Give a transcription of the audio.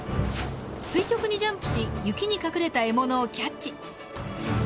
垂直にジャンプし雪に隠れた獲物をキャッチ。